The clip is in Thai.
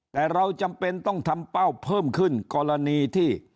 แต่เราจำเป็นต้องทำเป้าเพิ่มขึ้นกรณีที่